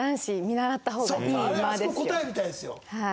あそこ答えみたいですよ。